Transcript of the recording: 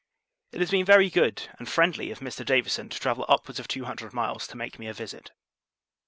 It has been very good, and friendly, of Mr. Davison, to travel upwards of two hundred miles, to make me a visit.